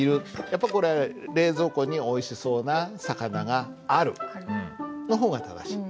やっぱこれ「冷蔵庫においしそうな魚がある」の方が正しい。